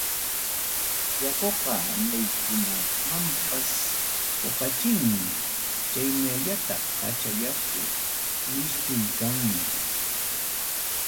Yakuqa maykunamanpas puqachinmi, chaynallataq qacha yaku wischuy kanmi.